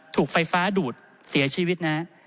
ถูกไฟฟ้าดูดเสียชีวิตนะฮะ